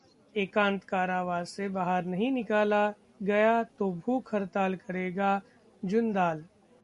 एकांत कारावास से बाहर नहीं निकाला गया तो भूख हड़ताल करेगा जुंदाल